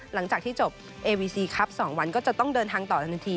หลังจากที่จบเอวีซีครับ๒วันก็จะต้องเดินทางต่อทันที